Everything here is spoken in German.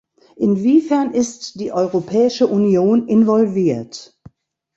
Inwiefern ist die Europäische Union involviert?